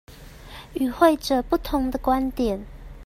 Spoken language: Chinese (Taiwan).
與會者不同的觀點